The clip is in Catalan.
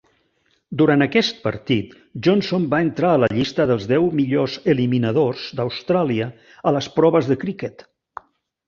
Durant aquest partit, Johnson va entrar a la llista dels deu millors "eliminadors" d'Austràlia a les proves de criquet.